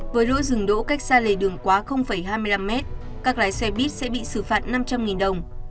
với lỗi dừng đỗ cách xa lề đường quá hai mươi năm m các lái xe buýt sẽ bị xử phạt năm trăm linh đồng